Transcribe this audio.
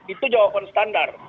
itu jawaban standar